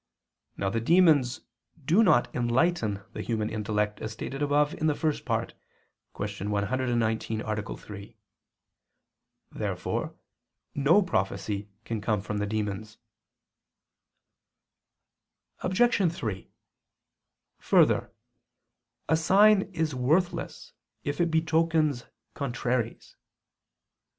Now the demons do not enlighten the human intellect, as stated above in the First Part (Q. 119, A. 3). Therefore no prophecy can come from the demons. Obj. 3: Further, a sign is worthless if it betokens contraries.